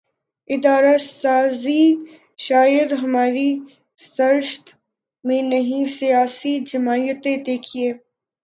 ادارہ سازی شاید ہماری سرشت میں نہیں سیاسی جماعتیں دیکھیے